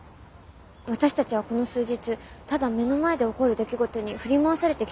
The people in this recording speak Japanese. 私たちはこの数日ただ目の前で起こる出来事に振り回されてきただけでした。